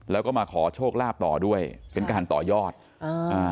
แล้วก็มาขอโชคลาภต่อด้วยเป็นการต่อยอดอ่า